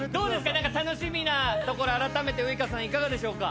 何か楽しみなところ改めてウイカさんいかがでしょうか？